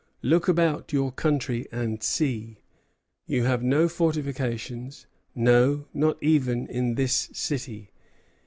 Look about your country and see: you have no fortifications; no, not even in this city.